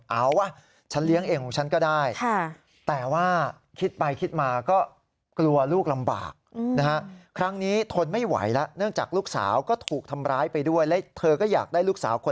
เอาว่าฉันเลี้ยงเองของฉันก็ได้